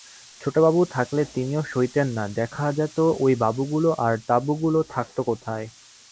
ছোটোবাবু থাকলে তিনিও সইতেন না, দেখা যেত ঐ বাবুগুলো আর তাঁবুগুলো থাকত কোথায়।